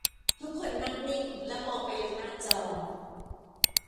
ทุกคนนั่งนิ่งและมองไปยังหน้าจอ